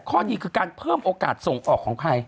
ข้อดีคือการเพิ่มโอกาสส่งออกของใคร